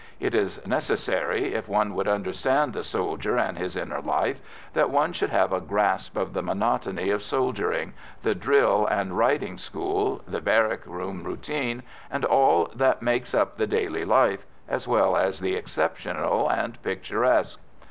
It is necessary, if one would understand the soldier and his inner life, that one should have a grasp of the monotony of soldiering, the drill and riding school, the barrack room routine, and all that makes up the daily life, as well as the exceptional and picturesque.